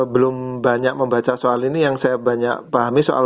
belum banyak membaca soal ini yang saya banyak pahami soal